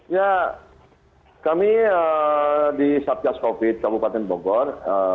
ya kami di satgas covid kabupaten bogor